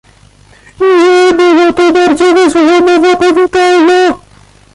"Nie była to bardzo wesoła mowa powitalna."